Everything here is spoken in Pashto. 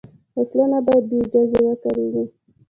وسله نه باید بېاجازه وکارېږي